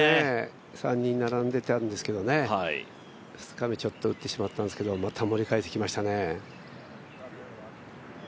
３人並んでたんですけどね、２日目ちょっと打ってしまったんですけどまた盛り返してきましたね。